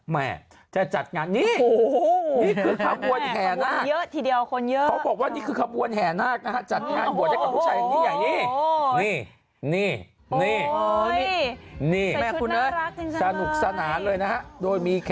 แม่จะจัดงานนี่